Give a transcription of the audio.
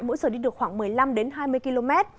mỗi giờ đi được khoảng một mươi năm đến hai mươi km